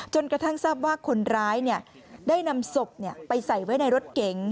กระทั่งทราบว่าคนร้ายได้นำศพไปใส่ไว้ในรถเก๋ง